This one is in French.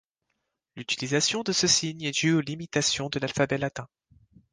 L'utilisation de ce signe est due aux limitations de l'alphabet latin.